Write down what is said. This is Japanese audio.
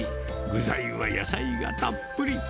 具材は野菜がたっぷり。